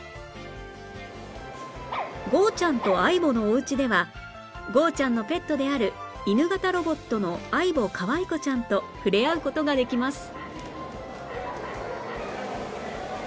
ゴーちゃん。と ａｉｂｏ のおうちではゴーちゃん。のペットである犬型ロボットの ａｉｂｏ かわいこちゃんと触れ合う事ができます